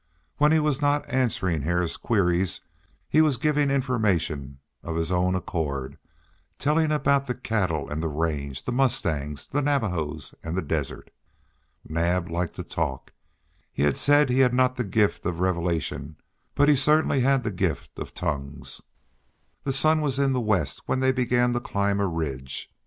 When he was not answering Hare's queries he was giving information of his own accord, telling about the cattle and the range, the mustangs, the Navajos, and the desert. Naab liked to talk; he had said he had not the gift of revelation, but he certainly had the gift of tongues. The sun was in the west when they began to climb a ridge.